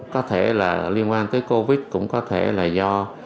có thể là liên quan tới covid cũng có thể là do